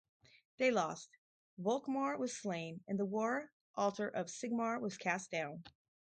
They lost, Volkmar was slain, and the war altar of Sigmar was cast down.